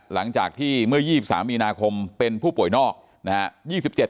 หลังจากที่เมื่อ๒๓มีนาคมเป็นผู้ป่วยนอกนะฮะ